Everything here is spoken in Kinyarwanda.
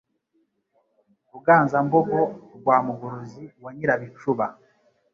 Ruganzambogo Rwa Mugorozi wa Nyirabicuba